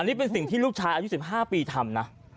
นี่เป็นสิ่งที่ลูกชายอายุ๑๕ปีทำนะ